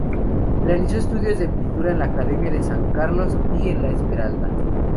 Realizó estudios de pintura en la Academia de San Carlos y en La Esmeralda.